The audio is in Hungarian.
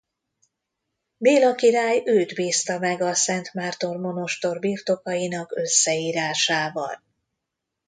Béla király őt bízta meg a Szent Márton-monostor birtokainak összeírásával.